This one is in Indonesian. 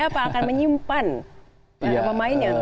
atau akan menyimpan pemainnya